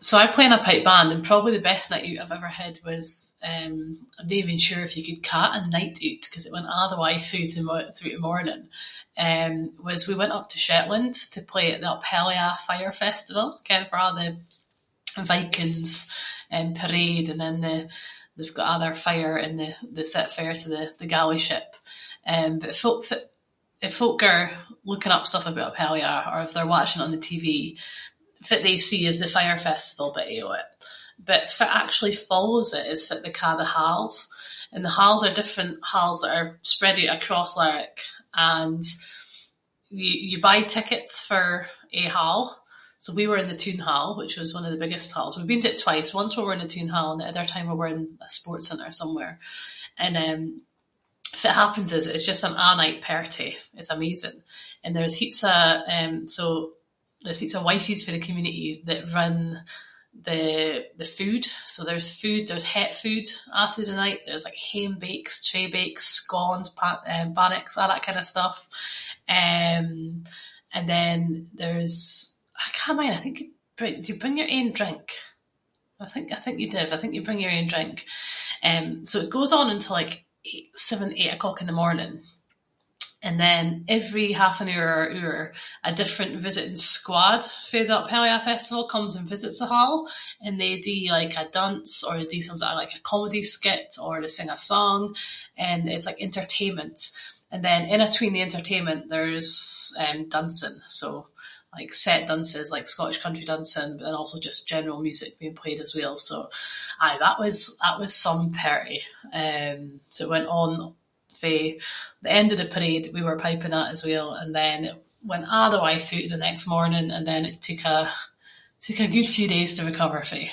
So I play in a pipe band and probably the best night oot I’ve ever had was eh- I’m no even sure if you could ca’ it a night oot ‘cause it went a’ the way through the- through to morning. Eh was, we went up to Shetland to play at the Up Helly Aa fire festival, ken farr a’ the Vikings eh parade and then the- they’ve got a’ their fire and then they set fire to the galley ship. Eh but folk- fitt- eh- if folk are looking up stuff up aboot Up Helly Aa, or if they’re watching it on the TV, fitt they see is the fire festival bittie of it, but fitt actually follows it is fitt they ca’ the halls, and the halls are different halls that are spread oot across Lerwick. And you- you buy tickets for a hall, so we were in the toon hall which was one of the biggest halls. We’ve been to it twice, once we were in the toon hall and the other time we were in a sports centre somewhere. And eh fitt happens is, it’s just an a' night party, it’s amazing. And there’s heaps of- eh so, there’s heaps of wifies fae the community that run the- the food. So, there’s food, there’s hot food a’ through the night, there’s like hame bakes, traybakes, scones, Bannocks a’ that kind of stuff. Eh, and then there’s I cannae mind you bring- do you bring your own drink? I think- I think you div, I think you bring your own drink. So, it goes on until like eight- seven, eight o’clock in the morning. And then every half-an-hour, a different visiting squad fae the Up Helly Aa festival comes and visits the hall and they do like a dance, or do some sort of like comedy skit, or they sing a song, and it’s like entertainment. And then in-between the entertainment there’s eh dancing, so- like set dances, like Scottish country dancing and also just like general music being played as well. So, aye that was- that was some party. Eh so it went on fae the end of the parade that we were piping at as well and then went a’ the way through to the next morning and then it took a- took a good few days to recover fae.